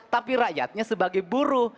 tapi rakyatnya sebagai buruh